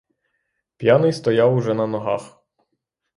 П'яний стояв уже на ногах.